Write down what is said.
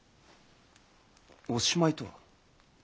おしまいとは？